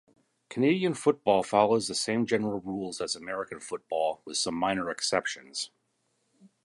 Canadian football follows the same general rules as American football, with some minor exceptions.